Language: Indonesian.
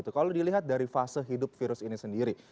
kalau dilihat dari fase hidup virus ini sendiri